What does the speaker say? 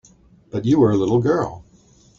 But you were a little girl.